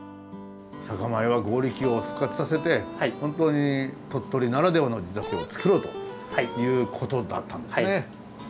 酒米は強力を復活させて本当に鳥取ならではの地酒を造ろうということだったんですね。